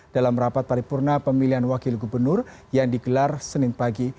dalam rapat paripurna pemilihan wakil gubernur yang digelar senin pagi